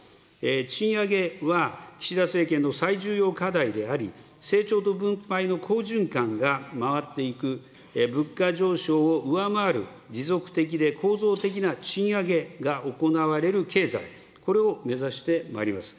賃上げは、岸田政権の最重要課題であり、成長と分配の好循環が回っていく、物価上昇を上回る持続的で構造的な賃上げが行われる経済、これを目指してまいります。